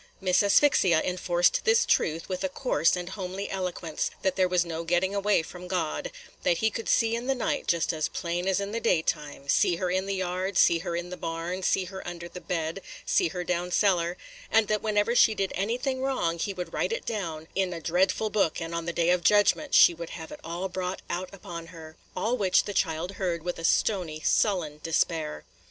Miss Asphyxia enforced this truth with a coarse and homely eloquence, that there was no getting away from God, – that He could see in the night just as plain as in the daytime, – see her in the yard, see her in the barn, see her under the bed, see her down cellar; and that whenever she did anything wrong He would write it down in dreadful book, and on the Day of Judgment she would have it all brought out upon her, – all which the child heard with a stony, sullen despair.